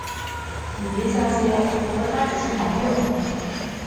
你别瞎说，我和他只是朋友